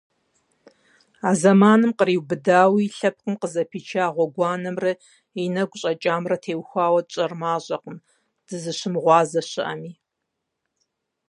А зэманым къриубыдэуи лъэпкъым къызэпича гъуэгуанэмрэ и нэгу щӏэкӏамрэ теухуауэ тщӏэр мащӏэкъым, дызыщымыгъуазэ щыӏэми.